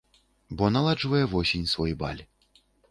Бо наладжвае восень свой баль.